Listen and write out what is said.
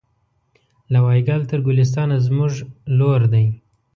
له وایګل تر ګلستانه زموږ لور دی